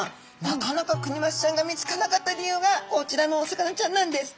なかなかクニマスちゃんが見つからなかった理由がこちらのお魚ちゃんなんです！